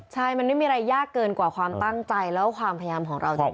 ใช่มันไม่มีอะไรยากเกินกว่าความตั้งใจแล้วความพยายามของเราจริง